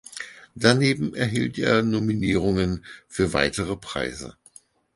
Daneben erhielt er Nominierungen für weitere Preise.